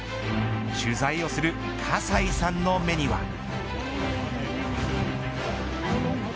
取材をする葛西さんの目には。